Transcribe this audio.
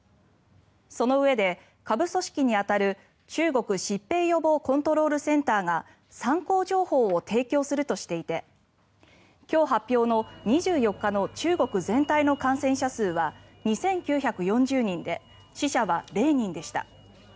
そのうえで、下部組織に当たる中国疾病予防コントロールセンターが参考情報を提供するとしていて今日発表の２４日の中国全体の感染者数は２９４０人で死者は０人でした。